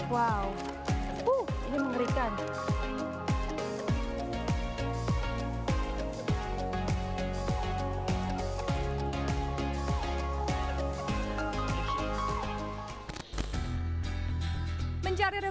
wow ini mengerikan